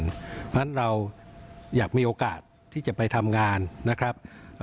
เพราะฉะนั้นเราอยากมีโอกาสที่จะไปทำงานนะครับ